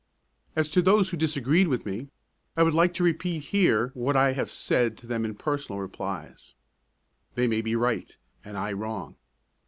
As to those who disagreed with me, I would like to repeat here what I have said to them in personal replies: They may be right, and I wrong.